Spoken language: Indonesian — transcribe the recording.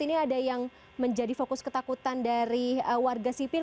ini ada yang menjadi fokus ketakutan dari warga sipil